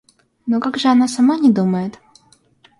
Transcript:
Но как же она сама не думает?